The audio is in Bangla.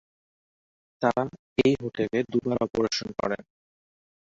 তারা এই হোটেলে দুবার অপারেশন করেন।